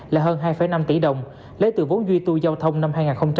là hơn hai năm tỷ đồng lấy từ vốn duy tu giao thông năm hai nghìn hai mươi